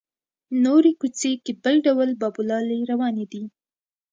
نورې کوڅې کې بل ډول بابولالې روانې دي.